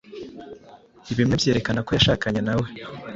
bimwe byerekana ko yashakanye nawe